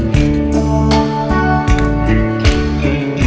โอ๊ยผู้ชินแกนี้